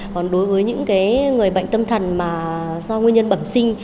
còn đối với những người bệnh tâm thần mà do nguyên nhân bẩm sinh